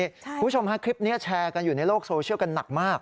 คุณผู้ชมฮะคลิปนี้แชร์กันอยู่ในโลกโซเชียลกันหนักมาก